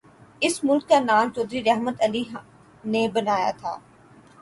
اس ملک کا نام چوہدری رحمت علی نے بنایا تھا۔